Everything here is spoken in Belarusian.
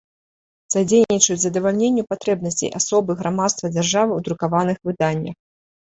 Садзейнiчаць задавальненню патрэбнасцей асобы, грамадства, дзяржавы ў друкаваных выданнях.